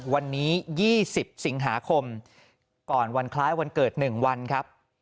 วันนี้๒๐สิงหาคมก่อนวันคล้ายวันเกิด๑วันครับ